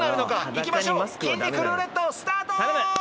行きましょう筋肉ルーレットスタート！